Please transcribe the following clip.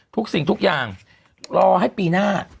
ทุกสิ่งทุกอย่างรอให้ปีหน้า